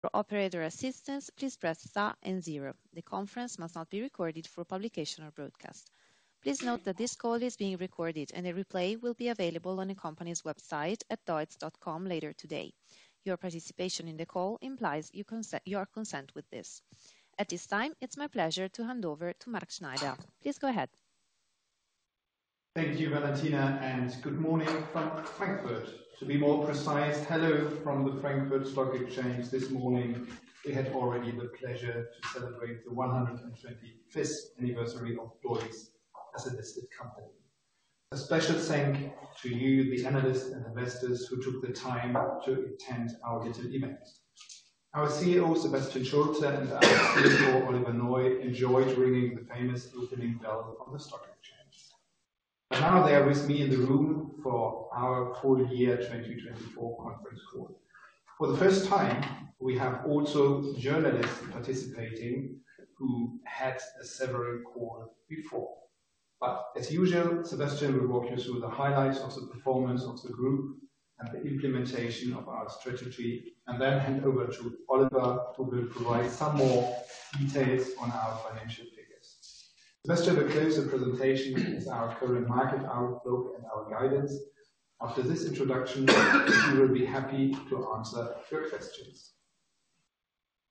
For operator assistance, please press star and zero. The conference must not be recorded for publication or broadcast. Please note that this call is being recorded, and a replay will be available on the company's website at deutz.com later today. Your participation in the call implies your consent with this. At this time, it's my pleasure to hand over to Mark Schneider. Please go ahead. Thank you, Valentina, and good morning from Frankfurt. To be more precise, hello from the Frankfurt Stock Exchange this morning. We had already the pleasure to celebrate the 125th anniversary of Deutz as a listed company. A special thank you to you, the analysts and investors who took the time to attend our little event. Our CEO, Sebastian Schulte, and our CFO, Oliver Neu, enjoyed ringing the famous opening bell on the Stock Exchange. Now they are with me in the room for our Full Year 2024 Conference Call. For the first time, we have also journalists participating who had a severing call before. As usual, Sebastian will walk you through the highlights of the performance of the group and the implementation of our strategy and then hand over to Oliver who will provide some more details on our financial figures. Sebastian will close the presentation with our current market outlook and our guidance. After this introduction, he will be happy to answer your questions.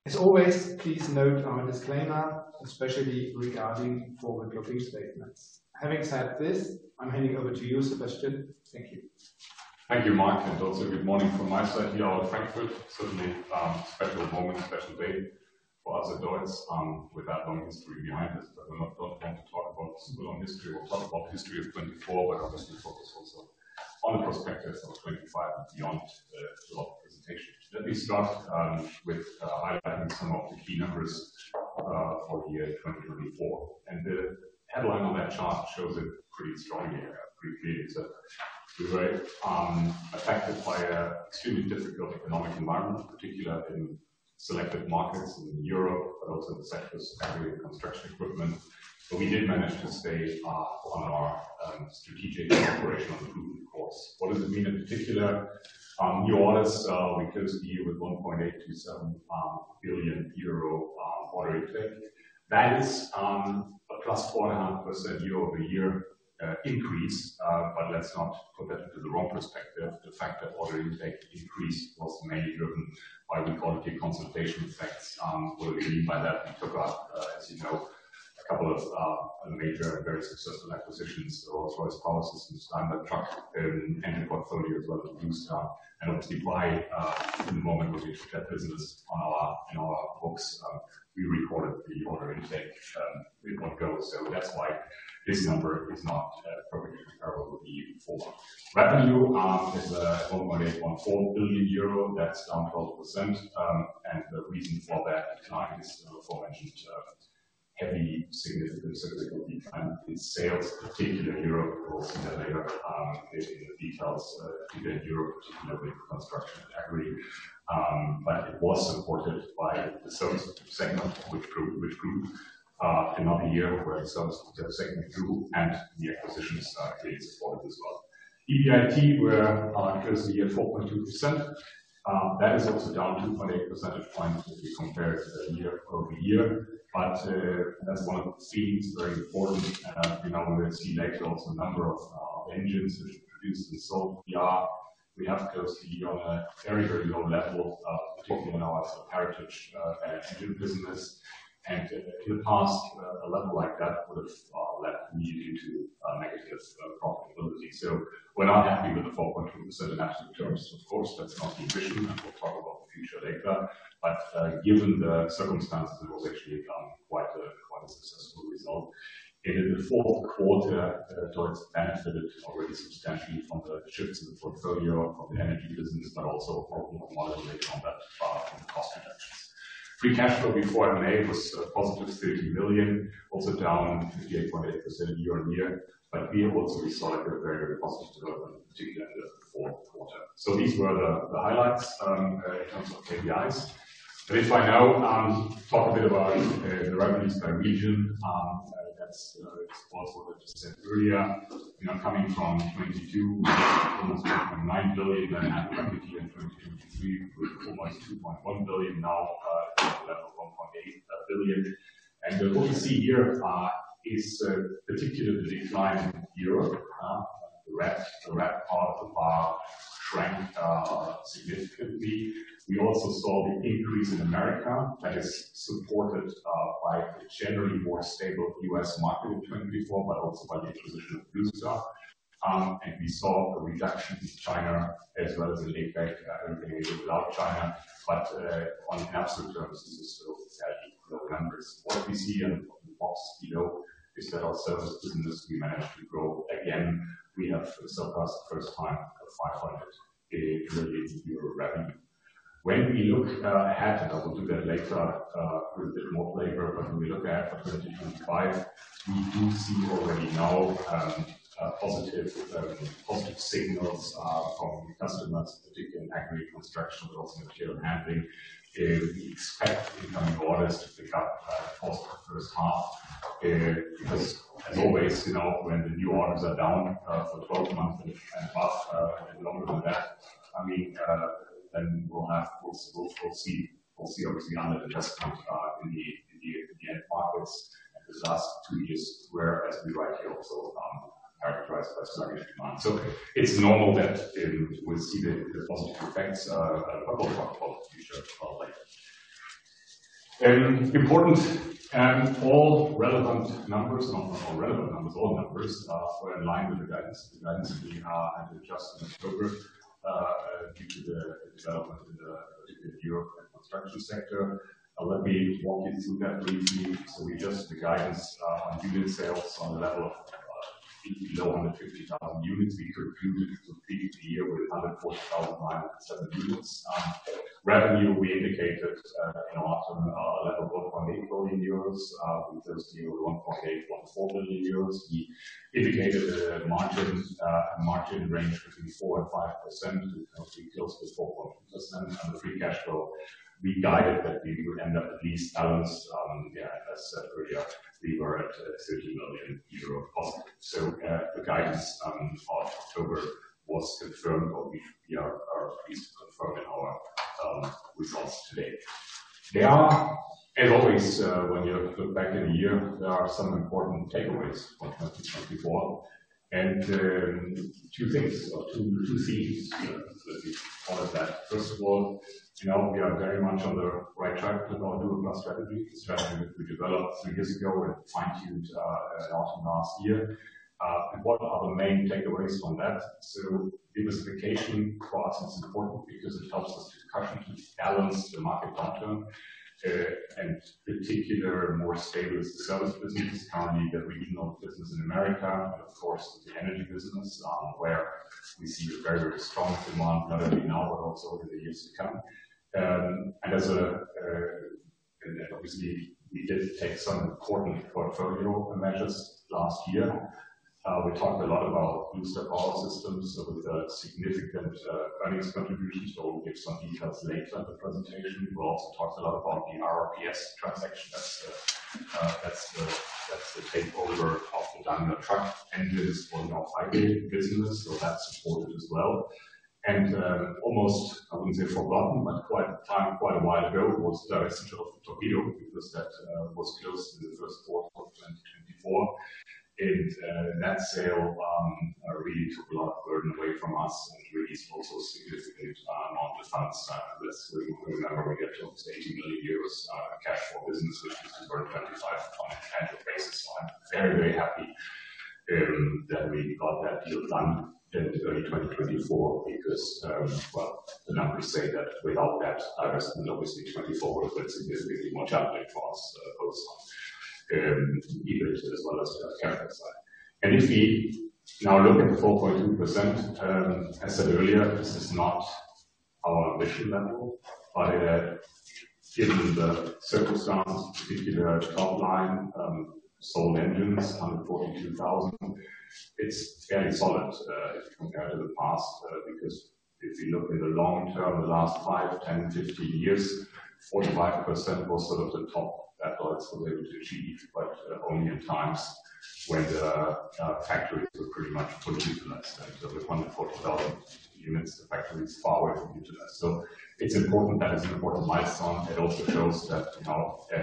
As always, please note our disclaimer, especially regarding forward-looking statements. Having said this, I'm handing over to you, Sebastian. Thank you. Thank you, Mark, and also good morning from my side here in Frankfurt. Certainly a special moment, special day for us at DEUTZ with our long history behind us. We are not going to talk about a long history. We will talk about the history of 2024, but obviously focus also on the prospectus of 2025 and beyond the presentation. Let me start with highlighting some of the key numbers for the year 2024. The headline on that chart shows it pretty strongly, pretty clearly, except we were affected by an extremely difficult economic environment, in particular in selected markets in Europe, but also in the sectors of construction equipment. We did manage to stay on our strategic operational improvement course. What does it mean in particular? New orders, we closed the year with 1.827 billion euro order intake. That is a plus 4.5% year-over-year increase. Let's not put that into the wrong perspective. The fact that order intake increased was mainly driven by, we call it, the consultation effects. What do we mean by that? We took out, as you know, a couple of major and very successful acquisitions: Rolls-Royce Power Systems, Daimler Truck, and the portfolio as well of Blue Star Power Systems. Obviously, why in the moment we took that business on our books, we recorded the order intake in one go. That's why this number is not probably comparable with the year before. Revenue is 1.814 billion euro. That's down 12%. The reason for that is the aforementioned heavy significance of difficulty in sales, particularly in Europe. We'll see that later in the details, particularly in Europe, particularly with construction and agri. It was supported by the Service segment, which grew in another year where the Service segment grew, and the acquisitions supported as well. EBIT, we closed the year at 4.2%, that is also down 2.8 percentage points if we compare year-over-year. That is one of the themes, very important. We know we'll see later also a number of engines which were produced and sold. We have closed the year on a very, very low level, particularly in our heritage engine business. In the past, a level like that would have led immediately to negative profitability. We're not happy with the 4.2% in absolute terms. Of course, that's not the issue. We'll talk about future data. Given the circumstances, it was actually quite a successful result. In the fourth quarter, DEUTZ benefited already substantially from the shifts in the portfolio from the Energy business, but also from the model later on that in the cost reductions. Free cash flow before M&A was positive 30 million, also down 58.8% year-on-year. We also saw a very, very positive development, particularly in the fourth quarter. These were the highlights in terms of KPIs. If I now talk a bit about the revenues by region, that's also what I just said earlier. Coming from 2022, almost EUR 2.9 billion, then had a revenue in 2023 of almost 2.1 billion. Now we're at a level of 1.8 billion. What we see here is particularly the decline in Europe. The red part of the bar shrank significantly. We also saw the increase in America that is supported by the generally more stable US market in 2024, but also by the acquisition of Blue Star Power Systems. We saw a reduction in China as well as a laid-back without China. On absolute terms, this is still low numbers. What we see and what we box below is that our service business, we managed to grow again. We have surpassed the first time 500 million euro revenue. When we look ahead, and I will do that later with a bit more flavor, but when we look ahead for 2025, we do see already now positive signals from customers, particularly in agri, construction, but also material handling. We expect incoming orders to pick up force for the first half. Because as always, when the new orders are down for 12 months and above and longer than that, I mean, then we'll see obviously underinvestment in the end markets and the last two years, whereas we right here also characterized by struggling demand. It's normal that we'll see the positive effects a couple of months into the future as well. Important, all relevant numbers, not relevant numbers, all numbers were in line with the guidance. The guidance we had adjusted in October due to the development in Europe and construction sector. Let me walk you through that briefly. We adjusted the guidance on unit sales on the level of below 150,000 units. We concluded to complete the year with 140,907 units. Revenue, we indicated in our level of EUR 1.8 billion. We closed the year with 1.814 billion euros. We indicated a margin range between 4% and 5%. We closed with 4.2%. The free cash flow, we guided that we would end up at least balanced. As I said earlier, we were at 30 million euro positive. The guidance of October was confirmed, or we are at least confirmed in our results today. There are, as always, when you look back in a year, some important takeaways from 2024. Two things, or two themes, let me call it that. First of all, we are very much on the right track with our Dual+ strategy, a strategy that we developed three years ago and fine-tuned a lot last year. What are the main takeaways from that? Diversification for us is important because it helps us to cushion, to balance the market downturn. Particularly more stable is the service business, currently the regional business in America, and of course the energy business, where we see a very, very strong demand, not only now, but also in the years to come. Obviously, we did take some important portfolio measures last year. We talked a lot about Blue Star Power Systems, with significant earnings contributions. I will give some details later in the presentation. We also talked a lot about the RRPS transaction. That is the takeover of the Daimler Truck engines for the off-highway business. That supported as well. Almost, I would not say forgotten, but quite a while ago was the rescue of the Torqeedo because that was closed in the first quarter of 2024. That sale really took a lot of burden away from us and released also a significant amount of funds. That's when we remember we had up to 80 million euros cash for business, which was over 25% on a tangible basis. I'm very, very happy that we got that deal done in early 2024 because, well, the numbers say that without that, obviously, 2024 would have been significantly more challenging for us both on EBIT as well as the capital side. If we now look at the 4.2%, as I said earlier, this is not our ambition level. Given the circumstance, particularly the top line, sold engines, 142,000, it's fairly solid if you compare to the past. If we look in the long term, the last five, 10, 15 years, 45% was sort of the top that DEUTZ was able to achieve, but only in times when the factories were pretty much fully utilized. With 140,000 units, the factory is far away from utilized. It is important. That is an important milestone. It also shows that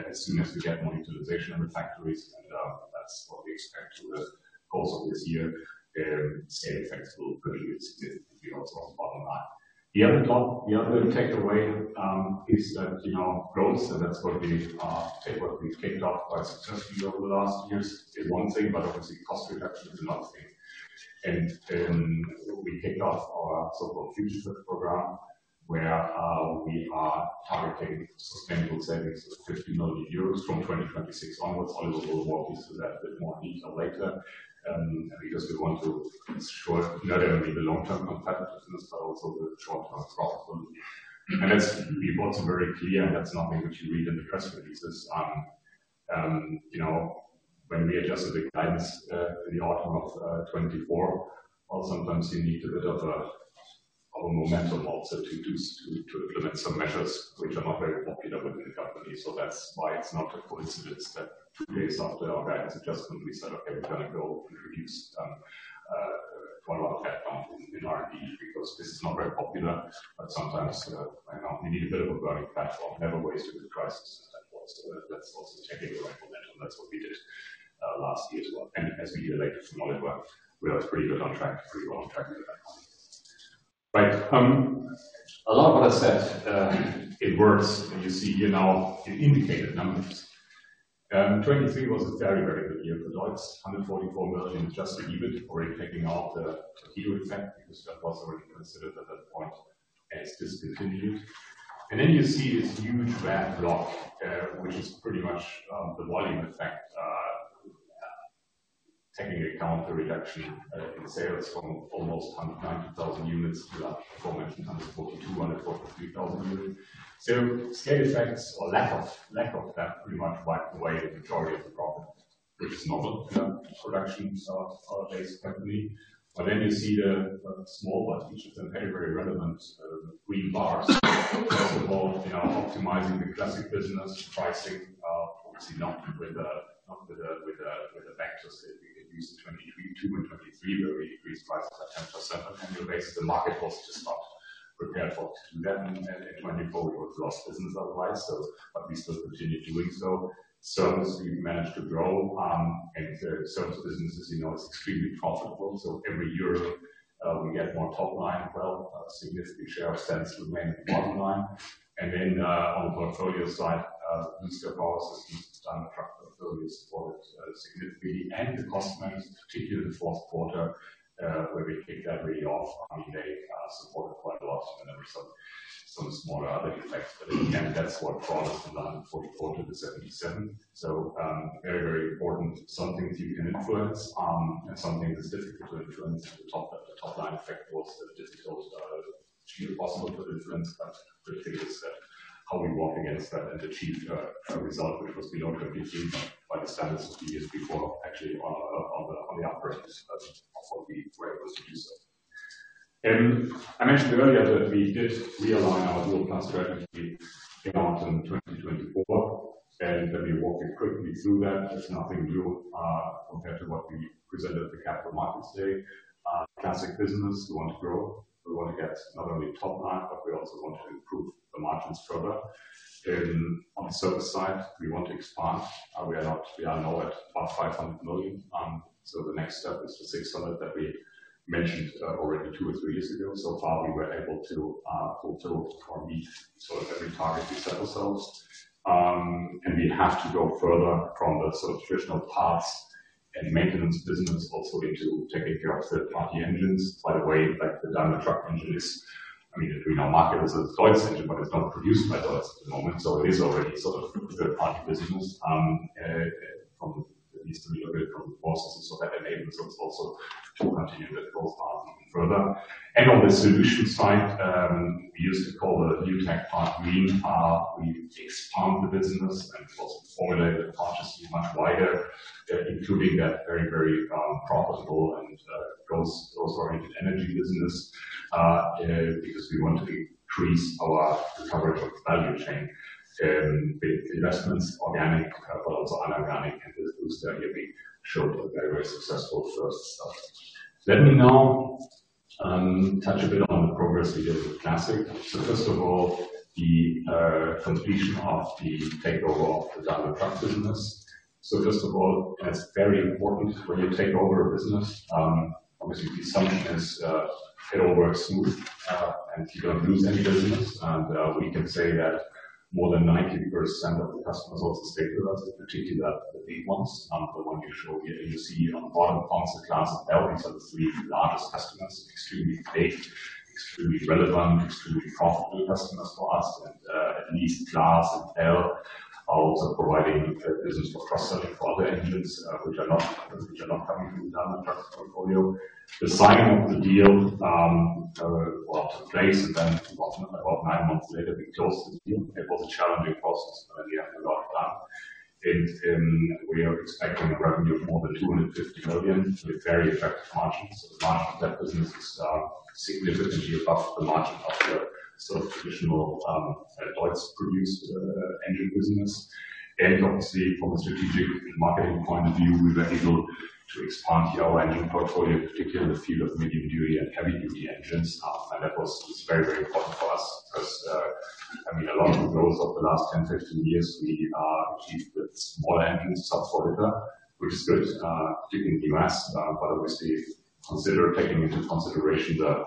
as soon as we get more utilization in the factories, and that is what we expect to the goals of this year, the same effects will continue to be also on the bottom line. The other takeaway is that growth, and that is what we have kicked off quite successfully over the last years, is one thing, but obviously, cost reduction is another thing. We kicked off our so-called Future Fit cost program, where we are targeting sustainable savings of 50 million euros from 2026 onwards. Oliver will walk you through that a bit more in detail later. Because we want to ensure not only the long-term competitiveness, but also the short-term profitability. We have also been very clear, and that is nothing which you read in the press releases, when we adjusted the guidance in the autumn of 2024, sometimes you need a bit of momentum also to implement some measures which are not very popular within the company. That is why it is not a coincidence that two days after our guidance adjustment, we said, "Okay, we are going to go introduce one of our platforms in R&D," because this is not very popular. Sometimes we need a bit of a burning platform. Never waste a good crisis. That is also taking away momentum. That is what we did last year as well. As we hear later from Oliver, we are pretty well on track with that. Right. A lot of what I said, it works. You see here now in indicated numbers, 2023 was a very, very good year for DEUTZ. 144 million just to EBIT, already taking out the torpedo effect because that was already considered at that point as discontinued. You see this huge red block, which is pretty much the volume effect, taking account the reduction in sales from almost 190,000 units to the aforementioned 142,000-143,000 units. Scale effects or lack of that pretty much wiped away the majority of the profit, which is normal in a production-based company. You see the small, but each of them very, very relevant green bars. First of all, optimizing the classic business, pricing, obviously not with the factors that we can use in 2022 and 2023, where we increased prices by 10% on an annual basis. The market was just not prepared for us to do that. In 2024, we were a lost business otherwise. We still continue doing so. Service, we've managed to grow. And service business, as you know, is extremely profitable. Every year, we get more top line. A significant share of sales remained bottom line. On the portfolio side, Blue Star Power Systems, Daimler Truck portfolio supported significantly. The cost measures, particularly in the fourth quarter, where we kicked that really off. I mean, they supported quite a lot when there were some smaller other effects. Again, that's what brought us to 144% to the 77%. Very, very important. Something that you can influence and something that's difficult to influence. The top line effect was difficult to be possible to influence. The thing is that how we walk against that and achieve a result which was below 20% by the standards of the years before, actually on the upper end of what we were able to do so. I mentioned earlier that we did realign our dual-cross strategy in autumn 2024. We walked quickly through that. It's nothing new compared to what we presented at the capital markets today. Classic business. We want to grow. We want to get not only top line, but we also want to improve the margins further. On the service side, we want to expand. We are now at about 500 million. The next step is the 600 million that we mentioned already two or three years ago. So far, we were able to also meet sort of every target we set ourselves. We have to go further from the sort of traditional parts and maintenance business also into taking care of third-party engines. By the way, like the Daimler Truck engine is, I mean, we now market as a DEUTZ engine, but it is not produced by DEUTZ at the moment. It is already sort of third-party business, at least a little bit from the processes of that enablement, also to continue with both parts even further. On the solution side, we used to call the new tech part green. We expand the business, and of course, we formulated a part just to be much wider, including that very, very profitable and growth-oriented energy business. We want to increase our recovery of value chain. Investments, organic, but also inorganic, and the Blue Star Power Systems showed very, very successful first stuff. Let me now touch a bit on the progress we did with Classic. First of all, the completion of the takeover of the Daimler Truck business. It is very important when you take over a business. Obviously, the assumption is it all works smooth and you do not lose any business. We can say that more than 90% of the customers also stayed with us, particularly the lead ones, the ones you show here. You see on the bottom ones are CLAAS L. These are the three largest customers, extremely big, extremely relevant, extremely profitable customers for us. At least CLAAS L are also providing business for cross-selling for other engines, which are not coming from the Daimler Truck portfolio. The signing of the deal brought to place. About nine months later, we closed the deal. It was a challenging process, but we have a lot done. We are expecting a revenue of more than 250 million with very attractive margins. The margin of that business is significantly above the margin of the sort of traditional DEUTZ produce engine business. Obviously, from a strategic marketing point of view, we were able to expand our engine portfolio, particularly in the field of medium-duty and heavy-duty engines. That was very, very important for us because, I mean, a lot of the growth of the last 10, 15 years, we achieved with smaller engines sub-4 liter, which is good, particularly in the U.S., obviously, taking into consideration the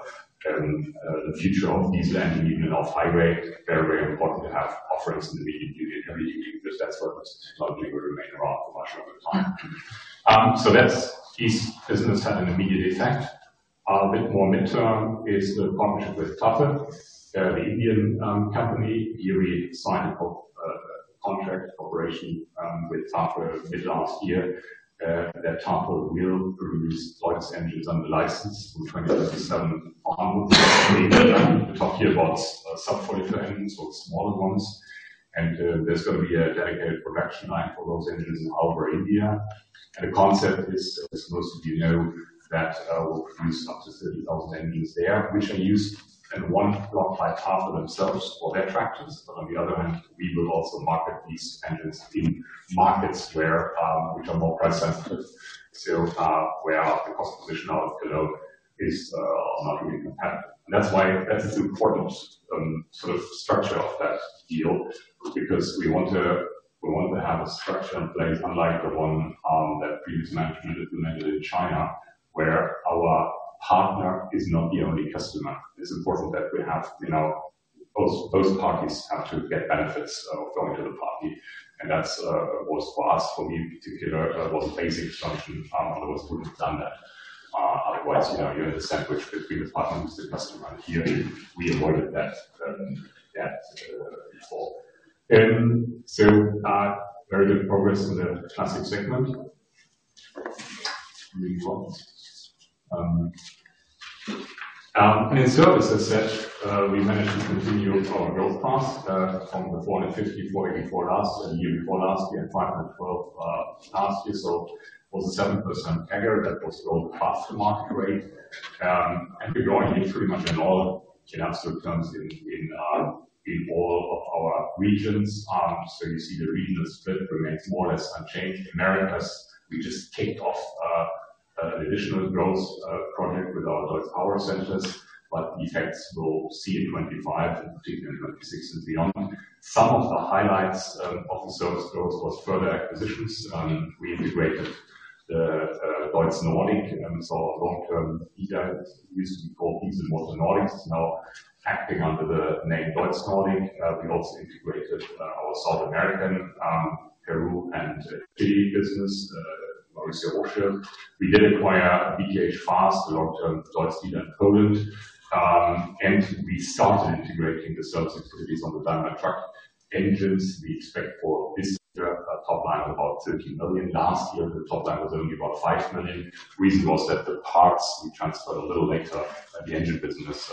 future of diesel engine even in off-highway, it is very, very important to have offerings in the medium-duty and heavy-duty because that is where most technology will remain around for much longer time. That's this business had an immediate effect. A bit more midterm is the partnership with TAFE, the Indian company. We already signed a contract of cooperation with TAFE mid-last year. That TAFE will produce DEUTZ engines under license from 2027 onwards. The topic here about sub-4 liter engines, those smaller ones. There's going to be a dedicated production line for those engines in Alwar, India. The concept is, as most of you know, that we'll produce up to 30,000 engines there, which are used in one block by TAFE themselves for their tractors. On the other hand, we will also market these engines in markets which are more price-sensitive, where the cost position of the load is not really compatible. That is why that is the important sort of structure of that deal because we want to have a structure in place unlike the one that previous management implemented in China, where our partner is not the only customer. It is important that we have both parties have to get benefits of going to the party. That was for us, for me in particular, a basic assumption. Otherwise, we would not have done that. Otherwise, you understand which between the partner and the customer. Here we avoided that before. Very good progress in the classic segment. In service, as I said, we managed to continue our growth path from the 450, 484 last. The year before last, we had 512 last year. It was a 7% aggregate that was growing faster than market rate. We're growing pretty much in absolute terms in all of our regions. You see the regional split remains more or less unchanged. In America, we just kicked off an additional growth project with our DEUTZ Power Centers. The effects we'll see in 2025, and particularly in 2026 and beyond. Some of the highlights of the service growth was further acquisitions. We integrated DEUTZ Nordic, so our long-term leader, used to be called Diesel Motor Nordic, is now acting under the name DEUTZ Nordic. We also integrated our South American, Peru, and Chile business, Mauricio Hochschild. We did acquire BTH Fast, a long-term DEUTZ dealer in Poland. We started integrating the service activities on the Daimler Truck engines. We expect for this year, a top line of about 30 million. Last year, the top line was only about 5 million. The reason was that the parts we transferred a little later in the engine business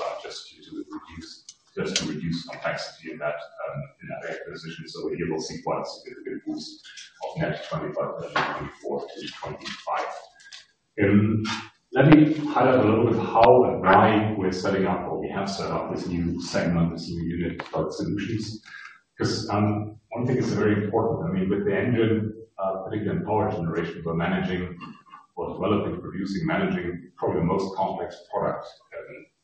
just to reduce complexity in that acquisition. Here we will see quite a significant boost of net 25% in 2024 to 2025. Let me highlight a little bit how and why we are setting up or we have set up this new segment, this new unit called Solutions. Because one thing is very important. I mean, with the engine, particularly in power generation, we are managing or developing, producing, managing probably the most complex product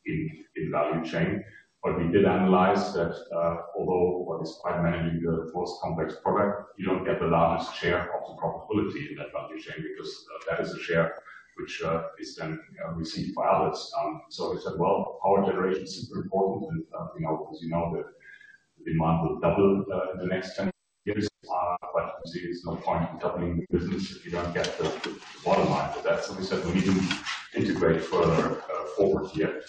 in value chain. But we did analyze that although what is quite managing the most complex product, you do not get the largest share of the profitability in that value chain because that is a share which is then received by others. We said, well, power generation is super important. As you know, the demand will double in the next 10 years. Obviously, there is no point in doubling the business if you do not get the bottom line for that. We said we need to integrate further forward here.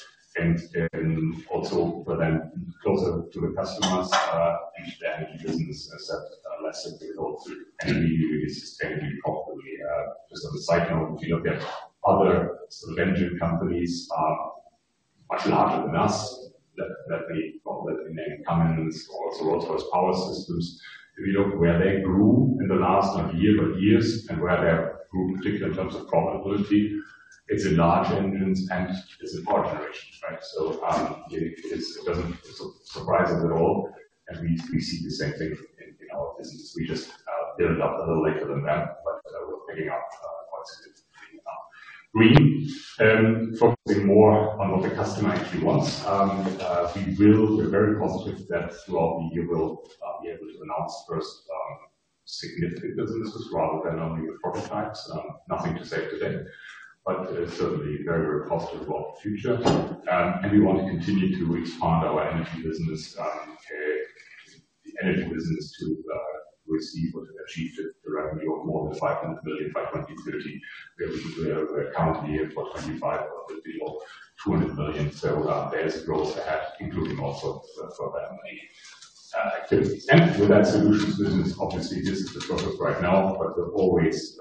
Also, for them, closer to the customers and the energy business, as I said, less difficult to sustainably profitably. Just as a side note, if you look at other sort of engine companies much larger than us, that means probably in the incumbents or also Rolls-Royce Power Systems. If you look where they grew in the last year or years and where they have grown, particularly in terms of profitability, it is in large engines and it is in power generation, right? It does not surprise us at all. We see the same thing in our business. We just built up a little later than that, but we're picking up quite significantly now. Green, focusing more on what the customer actually wants. We're very positive that throughout the year, we'll be able to announce first significant businesses rather than only the prototypes. Nothing to say today, but certainly very, very positive about the future. We want to continue to expand our energy business, the energy business to receive what we achieved, the revenue of more than 500 million by 2030. We're accounting here for 25% or a little bit more, 200 million. There is growth ahead, including also for that many activities. With that solutions business, obviously, this is the process right now. We'll always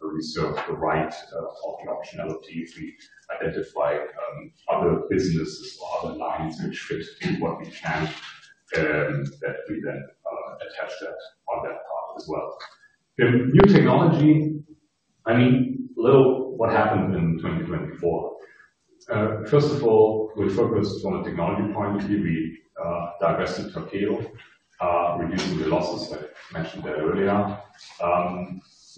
reserve the right of the optionality if we identify other businesses or other lines which fit in what we can, that we then attach that on that part as well. New technology, I mean, a little what happened in 2024. First of all, we focused on the technology point of view. We divested Tokyo, reducing the losses, like I mentioned earlier.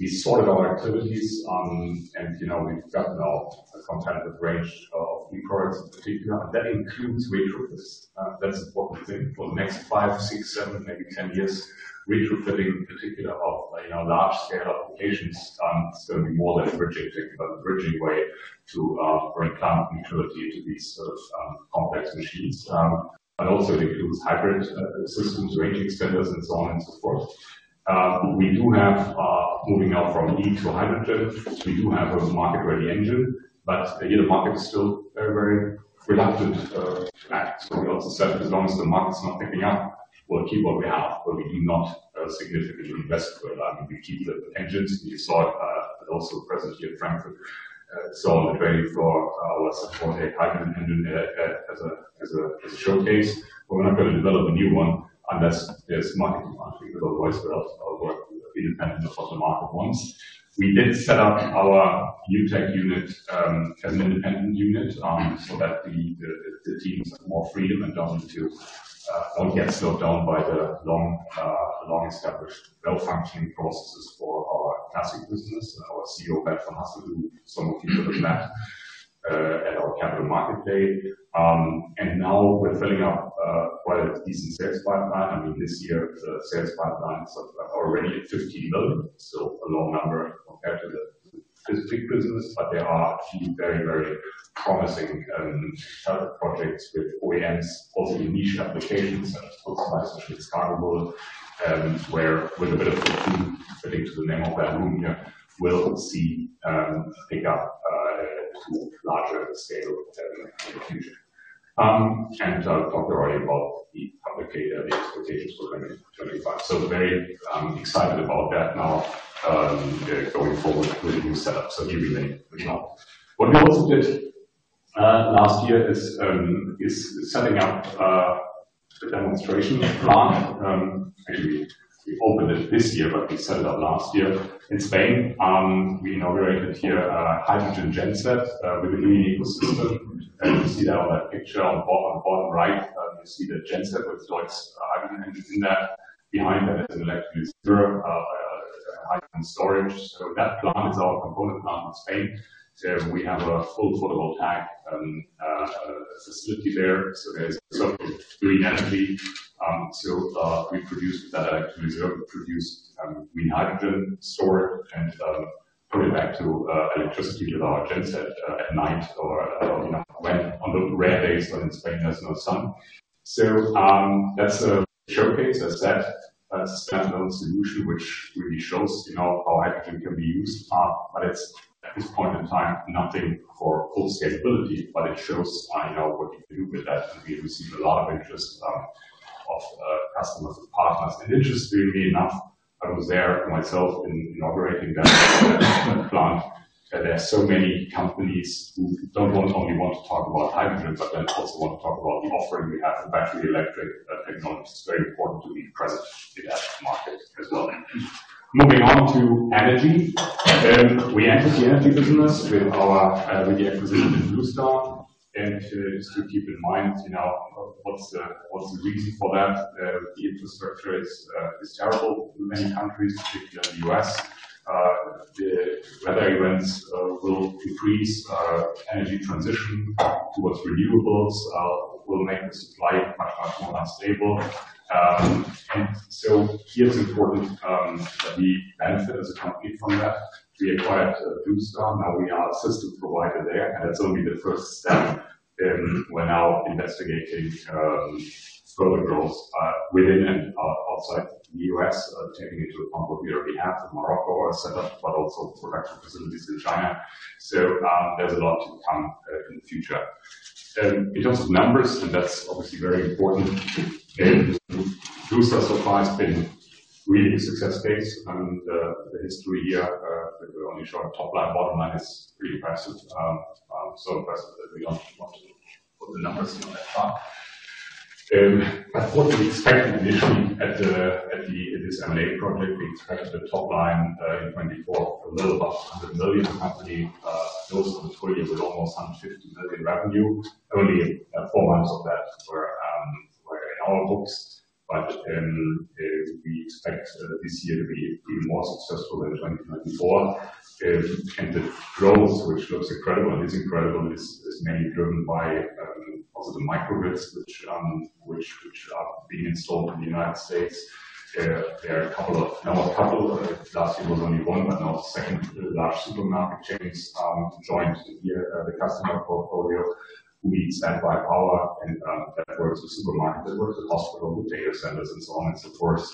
We sorted our activities, and we've gotten out a compatible range of new products in particular. That includes retrofits. That's an important thing for the next five, six, seven, maybe ten years. Retrofitting, in particular, of large-scale applications is going to be more than a bridging way to bring climate neutrality to these sort of complex machines. It also includes hybrid systems, range extenders, and so on and so forth. We do have moving out from E to hydrogen. We do have a market-ready engine, but the market is still very, very reluctant to act. We also said, as long as the market's not picking up, we'll keep what we have, but we do not significantly invest for it. I mean, we keep the engines. We saw it also present here in Frankfurt. It's all the training for our support, a hydrogen engine as a showcase. We're not going to develop a new one unless there's market demand. We could otherwise develop our work independent of what the market wants. We did set up our new tech unit as an independent unit so that the teams have more freedom and don't get slowed down by the long-established, well-functioning processes for our classic business. Our CEO, Bert van Hasselt, who some of you will have met at our capital market day. Now we're filling up quite a decent sales pipeline. I mean, this year, the sales pipeline is already at 15 million. It's still a low number compared to the physical business. There are a few very, very promising projects with OEMs, also niche applications such as flexible and such as cargo model, where with a bit of fitting to the name of that room here, we'll see a pickup to a larger scale in the future. I have talked already about the expectations for 2025. Very excited about that now, going forward with the new setup. Here we may be now. What we also did last year is setting up the demonstration plant. Actually, we opened it this year, but we set it up last year in Spain. We inaugurated here a hydrogen genset with a new ecosystem. You see that on that picture on the bottom right. You see the genset with DEUTZ Hydrogen Engines in that. Behind that is an electric reservoir storage. That plant is our component plant in Spain. We have a full photovoltaic facility there. There is a subject of green energy. We produce with that electric reserve, we produce green hydrogen, store it, and put it back to electricity with our genset at night or when on the rare days when Spain has no sun. That is a showcase, as I said, that is a standalone solution, which really shows how hydrogen can be used. It is, at this point in time, nothing for full scalability, but it shows what you can do with that. We receive a lot of interest of customers and partners. Interestingly enough, I was there myself inaugurating that plant. There are so many companies who do not only want to talk about hydrogen, but then also want to talk about the offering we have for battery electric technology. It is very important to be present in that market as well. Moving on to energy. We entered the energy business with our reacquisition in Blue Star Power Systems. Just to keep in mind, what is the reason for that? The infrastructure is terrible in many countries, particularly the U.S. The weather events will increase energy transition towards renewables. It will make the supply much, much more unstable. It is important that we benefit as a company from that. We acquired Blue Star Power Systems. Now we are a system provider there. That is only the first step. We are now investigating further growth within and outside the U.S., taking it to a point where we have a Morocco setup, but also production facilities in China. There is a lot to come in the future. In terms of numbers, and that's obviously very important, Blue Star Power Systems so far has been really a success case. The history here, we only show a top line. Bottom line is pretty impressive. So impressive that we don't want to put the numbers on that track. What we expected initially at this M&A project, we expected the top line in 2024, a little above 100 million company. Those from 2020 with almost 150 million revenue. Only four months of that were in our books. We expect this year to be even more successful than 2024. The growth, which looks incredible and is incredible, is mainly driven by also the microgrids, which are being installed in the United States. There are a couple of, now a couple of last year was only one, but now a second large supermarket chain has joined the customer portfolio. We stand by power, and that works with supermarket networks, with hospitals, with data centers, and so on and so forth.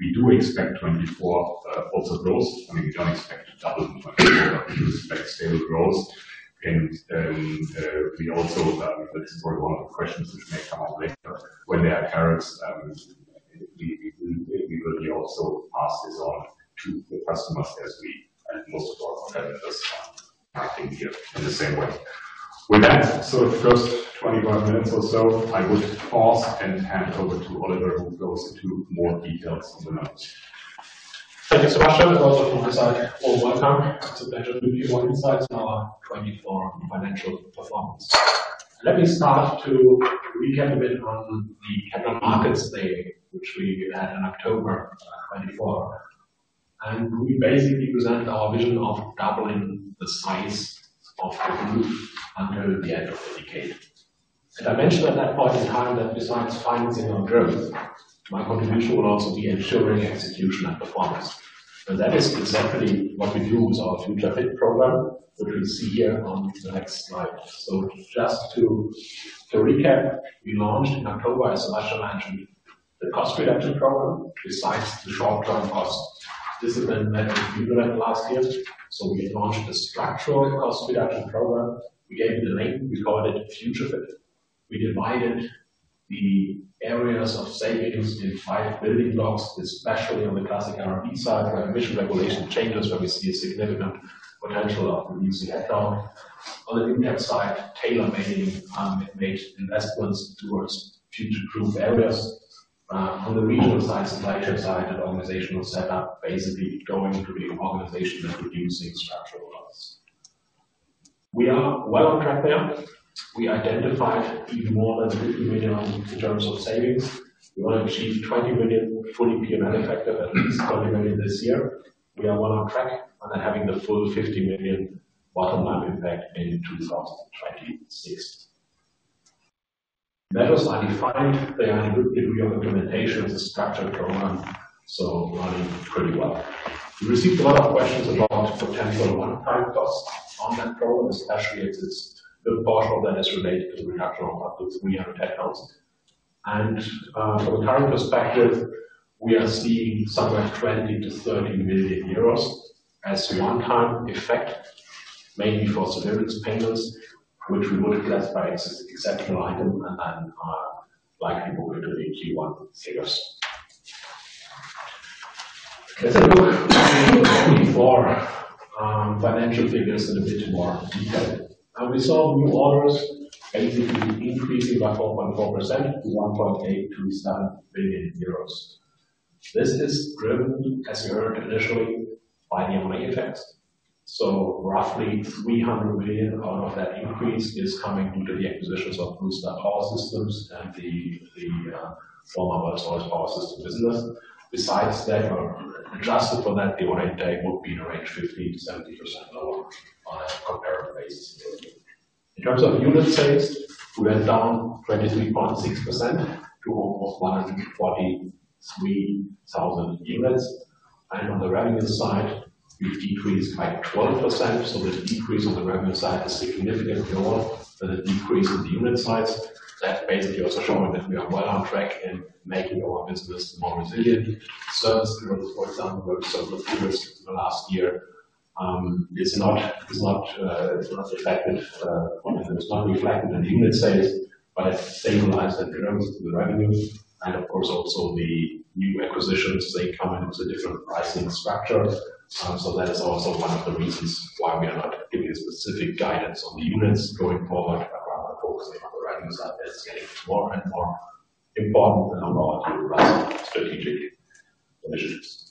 We do expect 2024 also growth. I mean, we do not expect to double in 2024, but we do expect stable growth. We also, that is probably one of the questions which may come up later when they are carrots, we will also pass this on to the customers as we and most of our competitors are acting here in the same way. With that, the first 25 minutes or so, I would pause and hand over to Oliver, who goes into more details on the numbers. Thank you, Sebastian. Also, from the side, all welcome to the Benjamin Ludwig Insights on our 2024 financial performance. Let me start to recap a bit on the capital markets play, which we had in October 2024. We basically present our vision of doubling the size of the group until the end of the decade. I mentioned at that point in time that besides financing our growth, my contribution will also be ensuring execution and performance. That is exactly what we do with our Future Fit cost program, which we see here on the next slide. Just to recap, we launched in October, as Sebastian mentioned, the cost reduction program besides the short-term cost. This event led to a new event last year. We launched a structural cost reduction program. We gave it a name. We called it Future Fit. We divided the areas of savings in five building blocks, especially on the classic R&D side, where emission regulation changes, where we see a significant potential of reducing headcount. On the index side, Taylor mainly made investments towards future proof areas. On the regional side, supply chain side and organizational setup, basically going to be an organization that reducing structural loss. We are well on track there. We identified even more than 50 million in terms of savings. We want to achieve 20 million fully PM manufactured, at least 20 million this year. We are well on track and having the full 50 million bottom line impact in 2026. Measures are defined. They are in good degree of implementation as a structured program, so running pretty well. We received a lot of questions about potential one-time costs on that program, especially as a good portion of that is related to the reduction of up to 300 headcounts. From a current perspective, we are seeing somewhere 20 million-30 million euros as one-time effect, mainly for severance payments, which we would classify as exceptional item and are likely moving to the Q1 figures. Let's have a look at the 2024 financial figures in a bit more detail. We saw new orders basically increasing by 4.4% to 1.827 billion euros. This is driven, as you heard initially, by the M&A effects. Roughly 300 million out of that increase is coming due to the acquisitions of Blue Star Power Systems and the former Rolls-Royce Power Systems business. Besides that, adjusted for that, the M&A would be in a range of 15%-70% lower on a comparative basis. In terms of unit sales, we went down 23.6% to almost 143,000 units. On the revenue side, we've decreased by 12%. The decrease on the revenue side is significantly lower than the decrease in the unit size. That basically also showing that we are well on track in making our business more resilient. Service growth, for example, we've seen the last year. It's not affected, not reflected in the unit sales, but it stabilized and reduced the revenue. Of course, also the new acquisitions, they come into a different pricing structure. That is also one of the reasons why we are not giving specific guidance on the units going forward, but rather focusing on the revenue side that's getting more and more important in our strategic initiatives.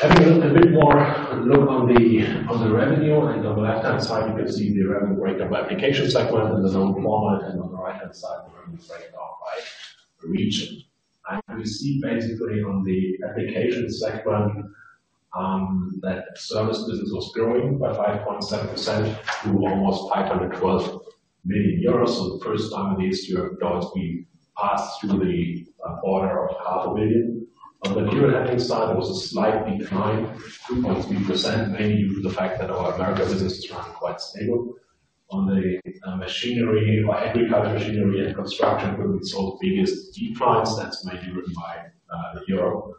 Having a bit more look on the revenue, on the left-hand side, you can see the revenue breakdown by application segment in the normal format. On the right-hand side, the revenue breakdown by region. We see basically on the application segment that service business was growing by 5.7% to almost 512 million euros. For the first time in the history of DEUTZ, we passed through the border of 500 million. On the pure revenue side, there was a slight decline, 2.3%, mainly due to the fact that our American business is running quite stable. On the machinery, our agricultural machinery and construction equipment saw the biggest declines. That is mainly driven by Europe.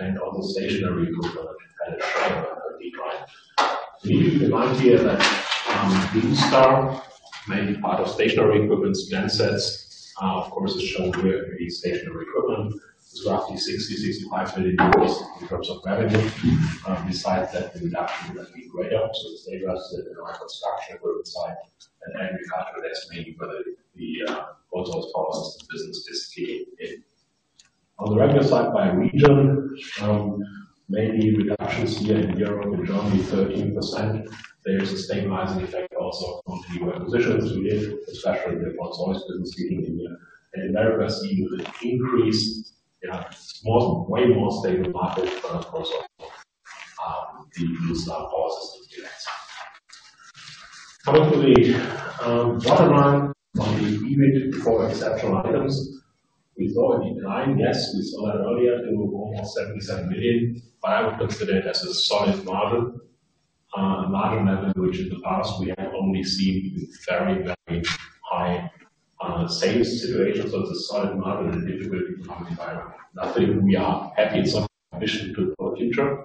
On the stationary equipment, it had a shorter decline. The main idea that Blue Star Power Systems, mainly part of stationary equipment, gensets, of course, is shown here in the stationary equipment, is roughly 60-65 million euros in terms of revenue. Besides that, the reduction would have been greater. The same as in our construction equipment side and agriculture, that's mainly where the Rolls-Royce Power Systems business is key in. On the revenue side by region, mainly reductions here in Europe and Germany, 13%. There is a stabilizing effect also on new acquisitions we did, especially in the Rolls-Royce business speaking in here. In America, seeing an increase, way more stable market, but of course also the Blue Star Power Systems effects. Coming to the bottom line on the EBIT before exceptional items, we saw a decline. Yes, we saw that earlier to almost 77 million, but I would consider it as a solid margin. A margin level which in the past we have only seen very, very high sales situations. It is a solid margin and difficulty to come in by nothing. We are happy and so ambition to the future.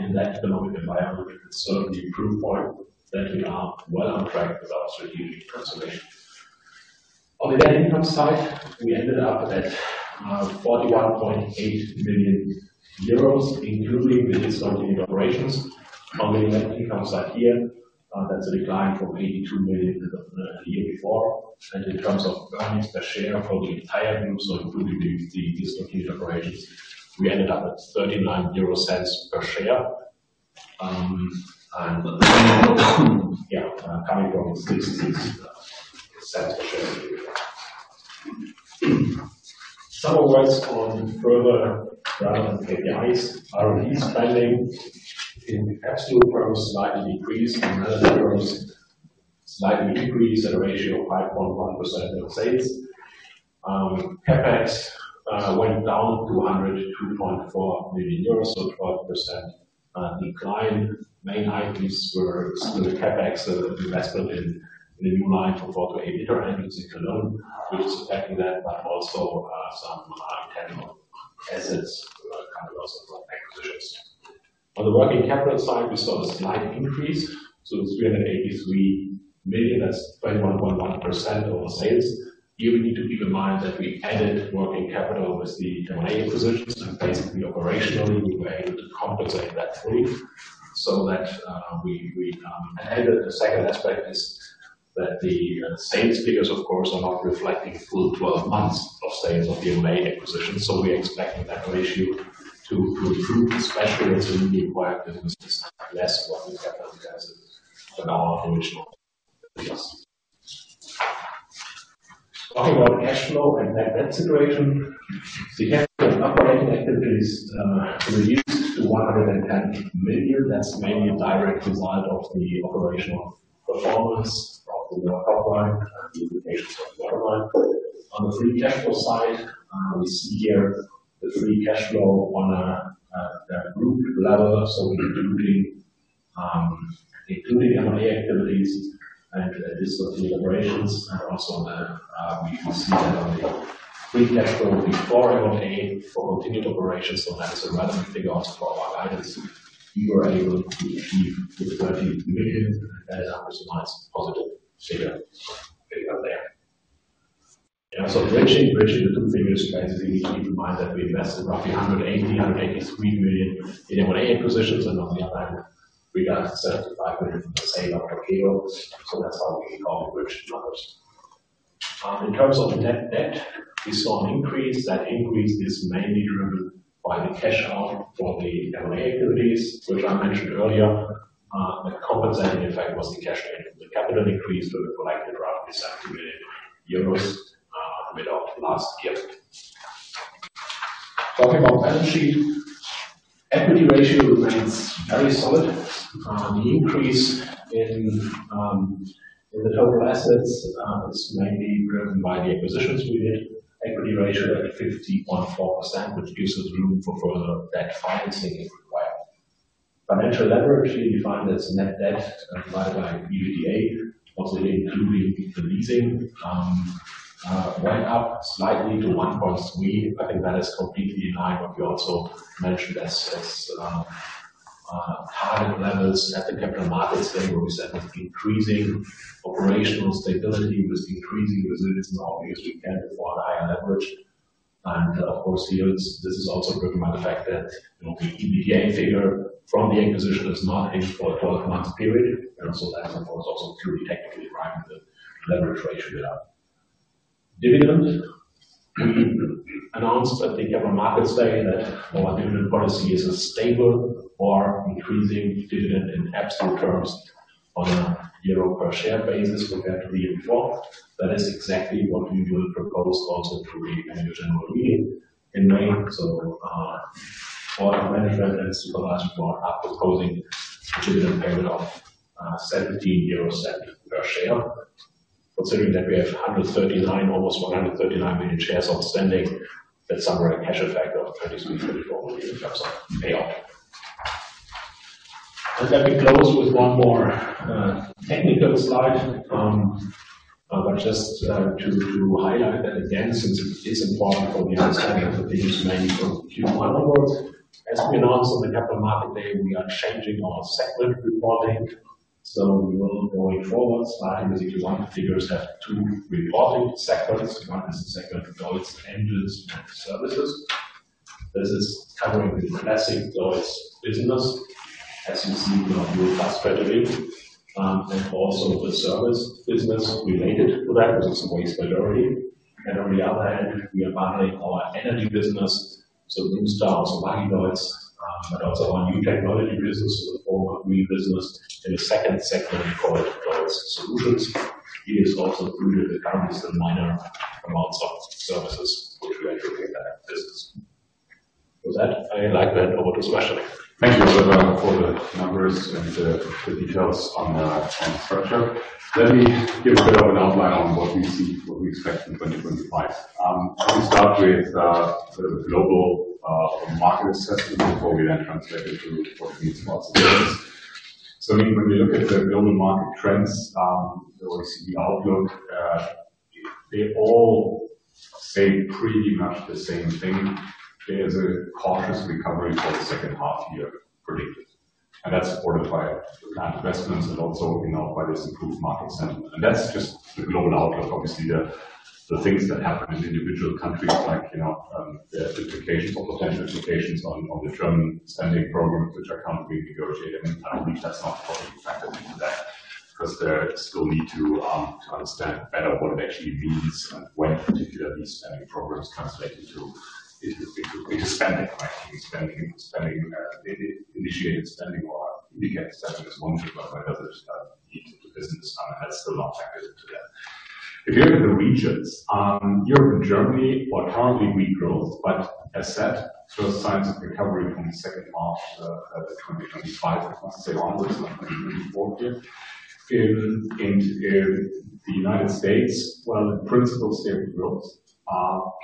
In that economic environment, it is certainly a proof point that we are well on track with our strategic transformation. On the net income side, we ended up at 41.8 million euros, including the discontinued operations. On the net income side here, that is a decline from 82 million the year before. In terms of earnings per share for the entire group, including the discontinued operations, we ended up at 0.39 per share, coming from 0.60 per share. Some words on further relevant KPIs. R&D spending in absolute terms slightly decreased, and management terms slightly increased at a ratio of 5.1% of sales. CapEx went down to 102.4 million euros, so 12% decline. Main items were still CapEx investment in the new line for 4-8 meter engines in Cologne, which is affecting that, but also some high-tenor assets coming also from acquisitions. On the working capital side, we saw a slight increase. It is 383 million. That is 21.1% of our sales. Here we need to keep in mind that we added working capital with the M&A acquisitions. Basically, operationally, we were able to compensate that fully. The second aspect is that the sales figures, of course, are not reflecting full 12 months of sales of the M&A acquisitions. We expected that ratio to improve, especially as the newly acquired business is less working capital intensive than our original. Talking about cash flow and net debt situation, the capital operating activities reduced to 110 million. That's mainly direct result of the operational performance of the top line and the implications of the bottom line. On the free cash flow side, we see here the free cash flow on the group level. So including M&A activities and dislocated operations. Also we see that on the free cash flow before M&A for continued operations. That is a relevant figure also for our guidance. We were able to achieve the EUR 30 million. That is our surprising positive figure there. Yeah, bridging the two figures, basically we need to keep in mind that we invested roughly 180 million-183 million in M&A acquisitions and on the other hand, we got 75 million from the sale of Tokyo. That's how we recall the bridged numbers. In terms of net debt, we saw an increase. That increase is mainly driven by the cash out for the M&A activities, which I mentioned earlier. The compensating effect was the cash gain from the capital increase that we collected roughly 70 million euros at the middle of last year. Talking about balance sheet, equity ratio remains very solid. The increase in the total assets is mainly driven by the acquisitions we did. Equity ratio at 50.4%, which gives us room for further debt financing if required. Financial leverage, we find that's net debt divided by EBITDA, also including the leasing, went up slightly to 1.3. I think that is completely in line with what you also mentioned as target levels at the capital markets level, which is increasing operational stability, which is increasing resilience and obviously can afford higher leverage. Of course, this is also driven by the fact that the EBITDA figure from the acquisition is not in for a 12-month period. That is, of course, also purely technically driving the leverage ratio here. Dividend announced at the capital markets day that our dividend policy is a stable or increasing dividend in absolute terms on a EUR per share basis compared to the year before. That is exactly what we will propose also to the general meeting in May. All the management and Supervisory Board are proposing a dividend payment of 0.17 per share. Considering that we have almost 139 million shares outstanding, that is some rare cash effect of 23.4 million in terms of payout. Let me close with one more technical slide, just to highlight that again, since it is important for the understanding of the figures mainly from Q1 onwards. As we announced on the capital market day, we are changing our segment reporting. We will, going forward starting with the one figures, have two reporting segments. One is the segment of DEUTZ Engines and Services. This is covering the classic DEUTZ business, as you see in our new class category, and also the service business related to that, which is the vast majority. On the other hand, we are bundling our energy business. Blue Star also bundling DEUTZ, but also our new technology business, the former green business, in a second segment called DEUTZ Solutions. It is also included in the companies and minor amounts of services, which we attribute that business. With that, I like to hand over to Sebastian. Thank you, Oliver, for the numbers and the details on the structure. Let me give a bit of an outline on what we see, what we expect in 2025. Let me start with the global market assessment before we then translate it to what it means for us. When we look at the global market trends, or we see the outlook, they all say pretty much the same thing. There is a cautious recovery for the second half year predicted. That is supported by the planned investments and also by this improved market sentiment. That is just the global outlook. Obviously, the things that happen in individual countries, like the implications or potential implications on the German spending program, which are currently negotiated. I believe that is not totally factored into that because they still need to understand better what it actually means and when particularly spending programs translate into spending. Initiated spending or indicated spending is one thing, but whether it's needed to business has still not factored into that. If you look at the regions, Europe and Germany are currently weak growth, but as said, first signs of recovery from the second half of 2025 and onwards of 2024 here. In the United States, in principle, stable growth.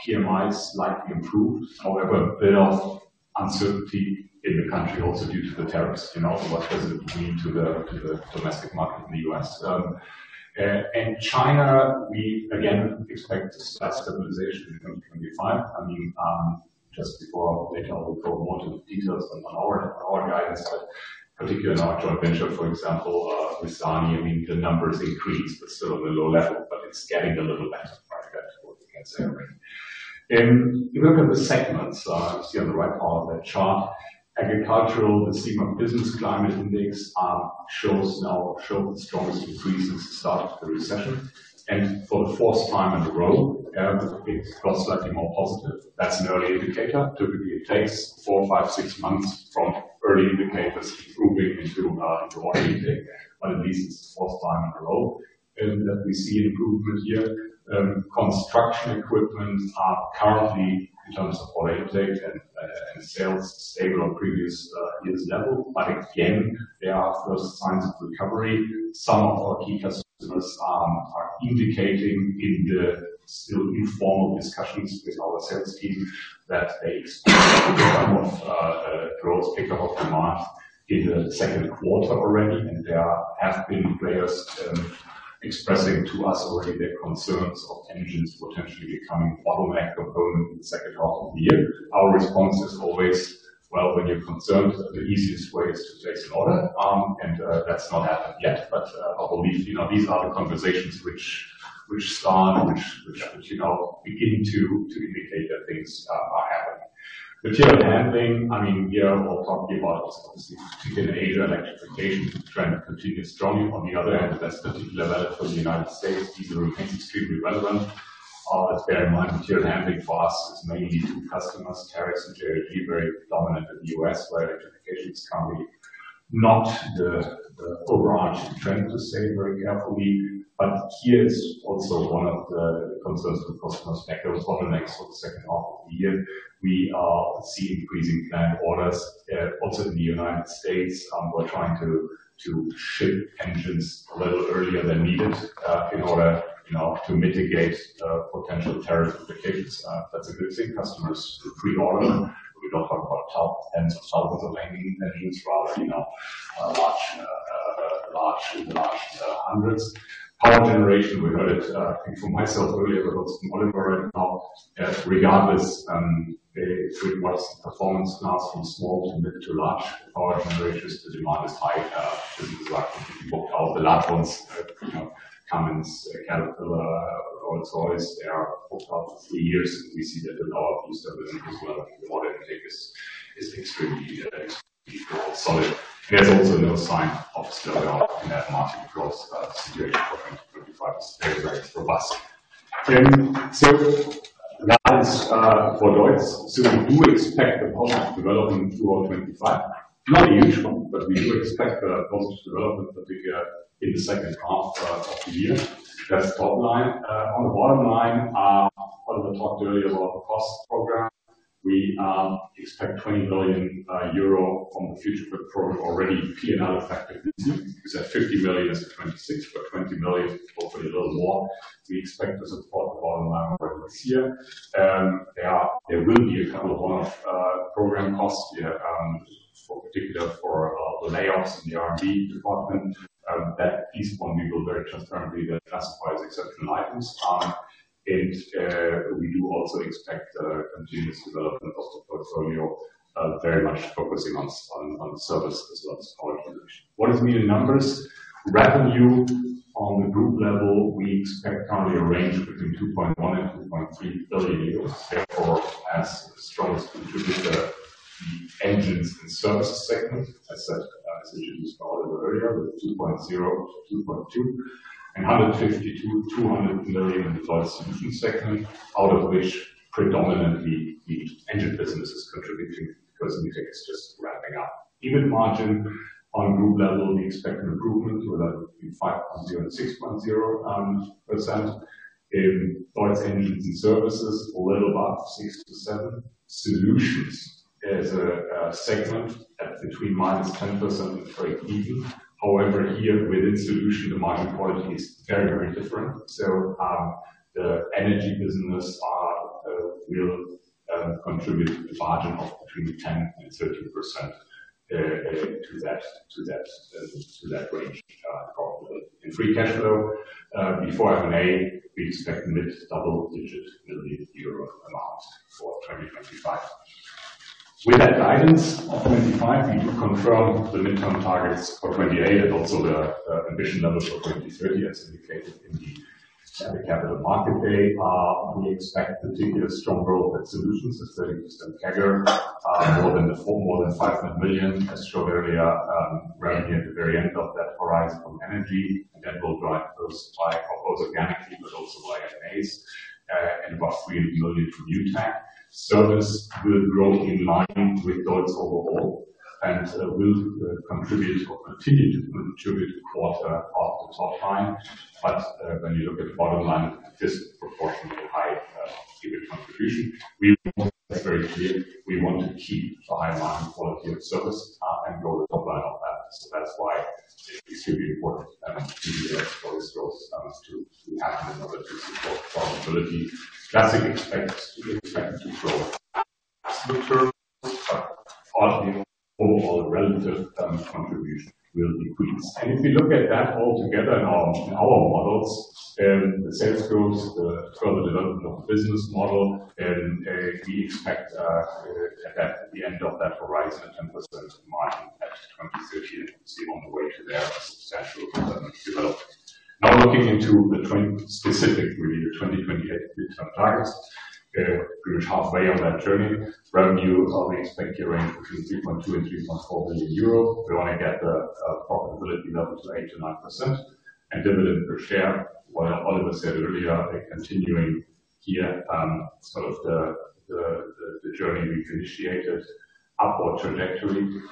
PMIs slightly improved. However, a bit of uncertainty in the country also due to the tariffs. What does it mean to the domestic market in the US? And China, we again expect stable stabilization in 2025. I mean, just before I'll probably go more to the details on our guidance, but particularly on our joint venture, for example, with SANY, I mean, the numbers increase, but still on a low level. But it's getting a little better, frankly, that's what we can say already. If you look at the segments, you see on the right part of the chart, agricultural, the CEMA Business Climate Index shows now showed the strongest increase since the start of the recession. For the fourth time in a row, it's got slightly more positive. That's an early indicator. Typically, it takes four, five, six months from early indicators improving into what we think. At least it's the fourth time in a row that we see improvement here. Construction equipment are currently, in terms of what I take, and sales stable on previous years level. There are first signs of recovery. Some of our key customers are indicating in the still informal discussions with our sales team that they expect some of the growth, pickup of demand in the second quarter already. There have been players expressing to us already their concerns of engines potentially becoming a bottleneck component in the second half of the year. Our response is always, when you're concerned, the easiest way is to place an order. That's not happened yet. I believe these are the conversations which start, which begin to indicate that things are happening. Material handling, I mean, we are all talking about obviously particularly in Asia, electrification trend continues strongly. On the other hand, that's particularly relevant for the United States. These are remains extremely relevant. Bear in mind, material handling for us is mainly through customers, tariffs, and JLG, very dominant in the US, where electrification is currently not the overarching trend to say very carefully. Here is also one of the concerns for customers' factor of bottlenecks for the second half of the year. We see increasing plant orders, also in the United States. We're trying to ship engines a little earlier than needed in order to mitigate potential tariff implications. That's a good thing. Customers pre-order. We don't talk about top tens or thousands of engines, rather large hundreds. Power generation, we heard it, I think from myself earlier, but also from Oliver right now. Regardless, what's the performance now from small to mid to large power generators? The demand is high. This is actually booked out. The large ones, Cummins, Caterpillar, Rolls-Royce, they are booked out for three years. We see that in our Blue Star business as well. The order intake is extremely solid. There's also no sign of selling out in that market across the year for 2025. It's very, very robust. That is for DEUTZ. We do expect the positive development throughout 2025. Not a huge one, but we do expect the positive development, particularly in the second half of the year. That's the top line. On the bottom line, Oliver talked earlier about the cost program. We expect 20 million euro from the Future Fit cost program already. P&L effective this year. We said 50 million is for 2026, but 20 million, hopefully a little more. We expect to support the bottom line already this year. There will be a couple of one-off program costs particularly for the layoffs in the R&D department. That piece one we will very transparently classify as exceptional items. We do also expect continuous development of the portfolio, very much focusing on service as well as power generation. What does it mean in numbers? Revenue on the group level, we expect currently a range between 2.1 billion and 2.3 billion euros. Therefore, as strongest contributor, the Engines and Services segment, as I said, as you just told earlier, with 2.0 billion-2.2 billion, and 150 million-200 million in the DEUTZ Solutions segment, out of which predominantly the engine business is contributing because we think it's just ramping up. EBIT margin on group level, we expect an improvement to around 5.0-6.0%. In DEUTZ Engines and Services, a little above 6-7%. Solutions as a segment at between minus 10% and very even. However, here within solution, the margin quality is very, very different. So the energy business will contribute a margin of between 10%-13% to that range. In free cash flow, before M&A, we expect mid double digit million-euro amount for 2025. With that guidance of 2025, we do confirm the midterm targets for 2028 and also the ambition levels for 2030, as indicated in the capital market day. We expect particularly strong growth at solutions at 30% CAGR, more than 500 million, as shown earlier, revenue at the very end of that horizon from energy. That will drive those supply for both organically but also via M&As. About 300 million for new tech. Service will grow in line with DEUTZ overall and will contribute or continue to contribute to quarter of the top line. When you look at the bottom line, disproportionately high EBIT contribution. That is very clear. We want to keep the high margin quality of service and grow the top line on that. It is extremely important to be able to grow this growth to happen in order to support profitability. Classic expect to grow in absolute terms, but overall, the relative contribution will increase. If we look at that altogether in our models, the sales growth, the further development of the business model, we expect that at the end of that horizon, a 10% margin at 2030, and we see on the way to there a substantial development. Now looking into the specific, really the 2028 midterm targets, pretty much halfway on that journey, revenue is only expected to range between 3.2 billion-3.4 billion euros. We want to get the profitability level to 8-9%. Dividend per share, while Oliver said earlier, continuing here, sort of the journey we've initiated, upward trajectory in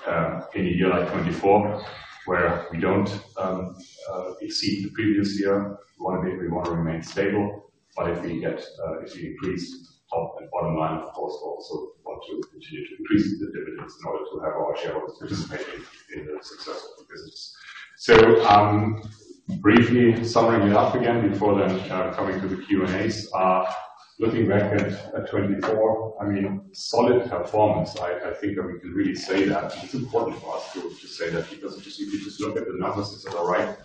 a year like 2024, where we do not exceed the previous year. We want to be able to remain stable. If we increase top and bottom line, of course, we also want to continue to increase the dividends in order to have our shareholders participate in the success of the business. Briefly summary it up again before then coming to the Q&As. Looking back at 2024, I mean, solid performance. I think we can really say that. It's important for us to say that because if you just look at the numbers, it's all right.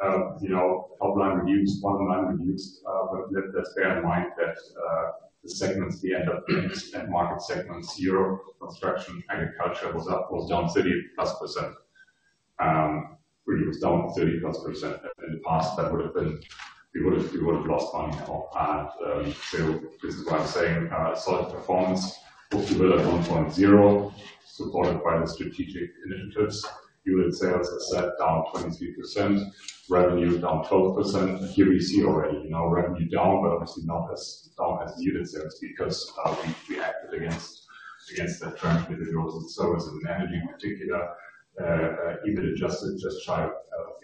Top line reduced, bottom line reduced. Let's bear in mind that the segments, the end of the end market segments, Europe, construction, agriculture was down 30+%. Really was down 30+%. In the past, that would have been, we would have lost money now. This is why I'm saying solid performance, booked a little 1.0, supported by the strategic initiatives. Unit sales are set down 23%, revenue down 12%. Here we see already, now revenue down, but obviously not as down as the unit sales because we acted against that trend within growth and service and energy in particular. EBIT adjusted just shy of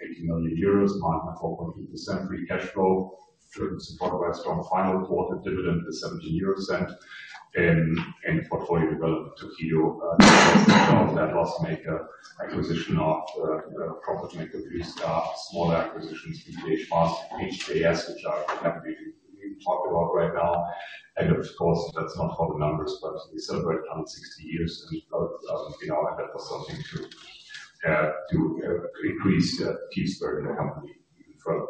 80 million euros, margin of 4.2%, free cash flow, supported by a strong final quarter dividend of EUR 0.17. Portfolio development took heed to that loss maker acquisition of profit maker Blue Star Power Systems, smaller acquisitions, BKH, MAS, HJS, which are heavily being talked about right now. Of course, that's not for the numbers, but we celebrate 160 years and that was something to increase the team spirit of company further.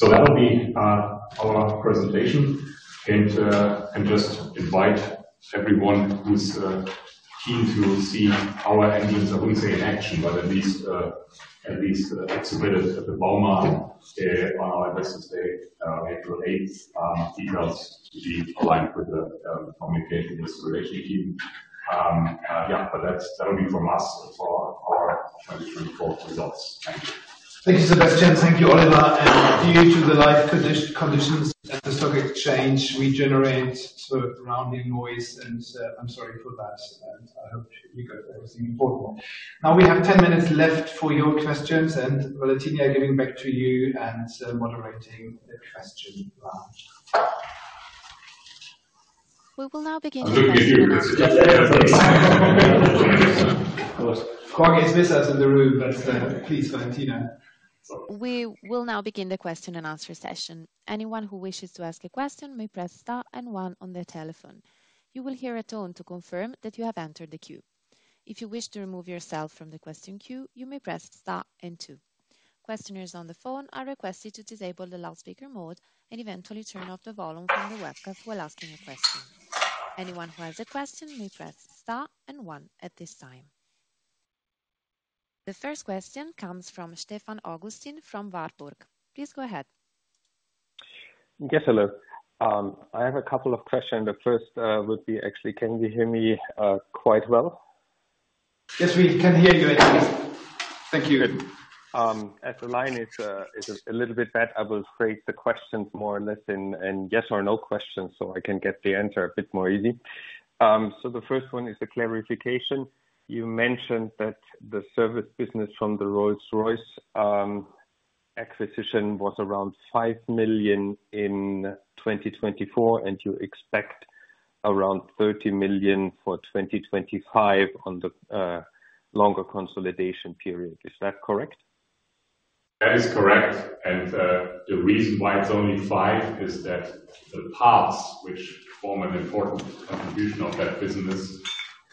That will be our presentation. I just invite everyone who's keen to see our engines, I wouldn't say in action, but at least exhibited at the Bauma on our investors day on April 8th. Details to be aligned with the communication with the regulation team. That'll be from us for our 2024 results. Thank you. `Thank you, Sebastian. Thank you, Oliver. Due to the live conditions at the stock exchange, we generate sort of surrounding noise. I'm sorry for that. I hope you got everything important. Now we have 10 minutes left for your questions. Valentina, giving back to you and moderating the question round. We will now begin the question. Of course, Corgi is with us in the room, but please, Valentina. We will now begin the question and answer session. Anyone who wishes to ask a question may press star and one on their telephone. You will hear a tone to confirm that you have entered the queue. If you wish to remove yourself from the question queue, you may press star and two. Questioners on the phone are requested to disable the loudspeaker mode and eventually turn off the volume from the webcam while asking a question. Anyone who has a question may press star and one at this time. The first question comes from Stefan Augustin from Warburg. Please go ahead. `Yes, hello. I have a couple of questions. The first would be actually, can you hear me quite well? Yes, we can hear you anyway. `Thank you. As the line is a little bit bad, I will phrase the questions more or less in yes or no questions so I can get the answer a bit more easy. The first one is a clarification. You mentioned that the service business from the Rolls-Royce Power Systems acquisition was around 5 million in 2024, and you expect around 30 million for 2025 on the longer consolidation period. Is that correct? That is correct. The reason why it's only five is that the parts which form an important contribution of that business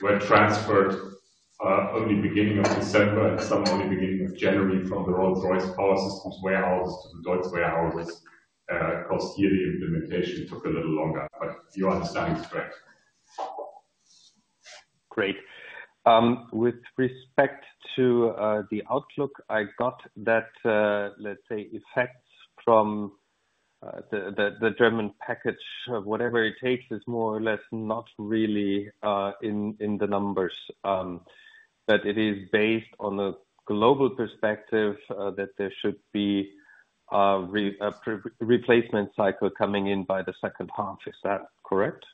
were transferred early beginning of December and some early beginning of January from the Rolls-Royce Power Systems warehouses to the DEUTZ warehouses because here the implementation took a little longer. Your understanding is correct. Great. With respect to the outlook, I got that, let's say, effects from the German package, whatever it takes, is more or less not really in the numbers. It is based on a global perspective that there should be a replacement cycle coming in by the second half. Is that correct?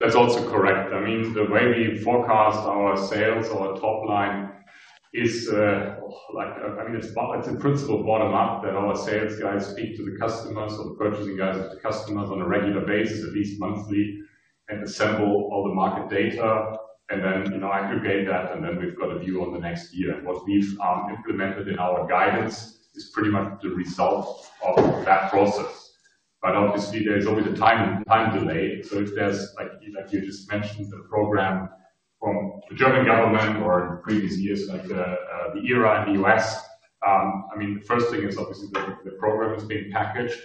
That's also correct. I mean, the way we forecast our sales, our top line is, I mean, it's a principle bottom up that our sales guys speak to the customers or the purchasing guys of the customers on a regular basis, at least monthly, and assemble all the market data. I aggregate that, and then we've got a view on the next year. What we've implemented in our guidance is pretty much the result of that process. Obviously, there's always a time delay. If there's, like you just mentioned, the program from the German government or in previous years, like the IRA in the U.S., I mean, the first thing is obviously the program is being packaged.